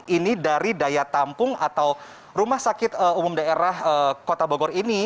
ini dari daya tampung atau rumah sakit umum daerah kota bogor ini